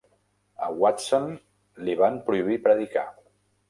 A Watson li van prohibir predicar.